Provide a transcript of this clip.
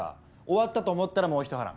終わったと思ったらもう一波乱。